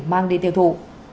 mang đi tiêu thụ